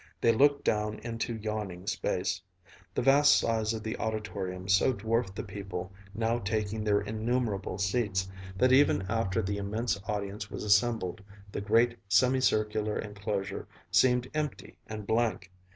They looked down into yawning space. The vast size of the auditorium so dwarfed the people now taking their innumerable seats, that even after the immense audience was assembled the great semicircular enclosure seemed empty and blank.